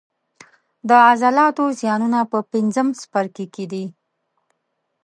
د عضلاتو زیانونه په پنځم څپرکي کې دي.